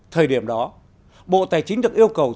thời điểm đó bộ tài chính được yêu cầu cho chacoly